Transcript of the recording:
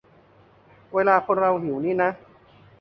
เวลาคนเราหิวนี่นะ